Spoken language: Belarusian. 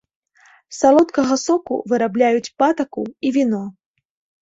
З салодкага соку вырабляюць патаку і віно.